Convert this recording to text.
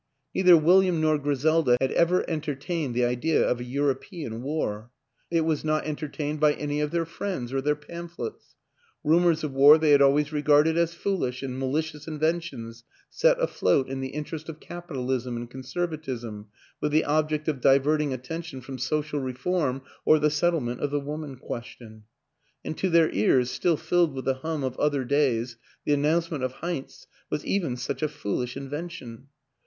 Neither William nor Griselda had ever entertained the idea of a European War; it was not entertained by any of their friends or their pamphlets. Rumors of war they had always regarded as fool ish and malicious inventions set afloat in the in terest of Capitalism and Conservatism with the object of diverting attention from Social Reform or the settlement of the Woman Question; and to their ears, still filled with the hum of other days, the announcement of Heinz was even such a foolish invention.